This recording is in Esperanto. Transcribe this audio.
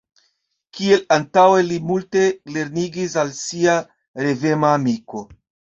Kiel antaŭe, li multe lernigis al sia revema amiko.